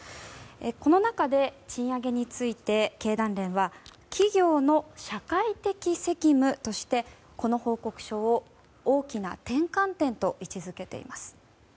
この中で、賃上げについて経団連は企業の社会的責務としてこの報告書を、大きな転換点と位置付けています。